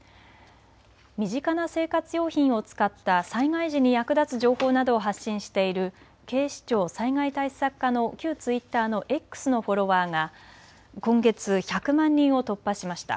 身近な生活用品を使った災害時に役立つ情報などを発信している警視庁災害対策課の旧ツイッターのＸのフォロワーが今月、１００万人を突破しました。